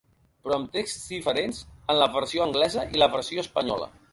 Però amb texts diferents en la versió anglesa i la versió espanyola.